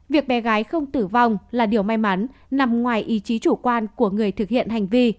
việc bé gái không tử vong là điều may mắn nằm ngoài ý chí chủ quan của người thực hiện hành vi